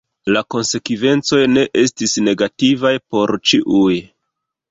La konsekvencoj ne estis negativaj por ĉiuj.